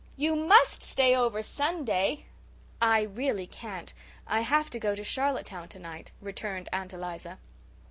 You MUST stay over Sunday." "I really can't. I have to go to Charlottetown tonight," returned Aunt Eliza.